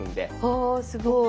はあすごい。